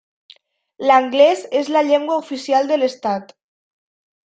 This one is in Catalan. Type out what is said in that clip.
L'anglès és la llengua oficial de l'estat.